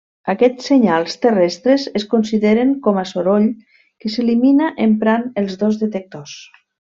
Aquests senyals terrestres es consideren com a soroll que s'elimina emprant els dos detectors.